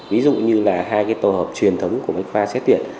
ví dụ như là hai cái tổ hợp truyền thống của bách khoa xét tuyển